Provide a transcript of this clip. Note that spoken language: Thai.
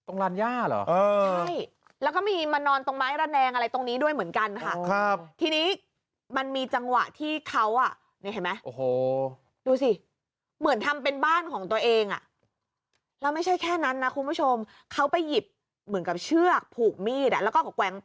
นี่นอนตรงร้านญ้าหรือเออ